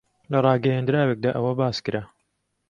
لە ڕاگەیەندراوێکدا ئەوە باس کرا